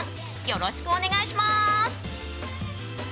よろしくお願いします！